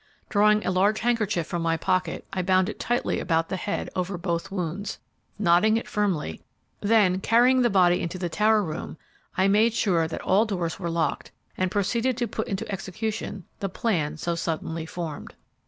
Drawing a large handkerchief from my pocket, I bound it tightly about the head over both wounds, knotting it firmly; then carrying the body into the tower room, I made sure that all doors were locked, and proceeded to put into execution the plan so suddenly formed.